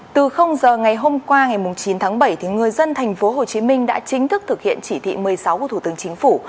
từ giờ ngày hôm qua ngày chín tháng bảy thì người dân thành phố hồ chí minh đã chính thức thực hiện chỉ thị một mươi sáu của thủ tướng chính phủ